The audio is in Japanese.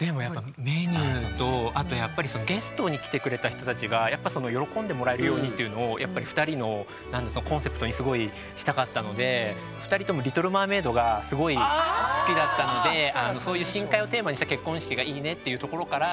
メニューとあとやっぱりゲストに来てくれた人たちが喜んでもらえるようにっていうのを２人のコンセプトにしたかったので２人とも「リトル・マーメイド」がすごい好きだったのでそういうっていうところから。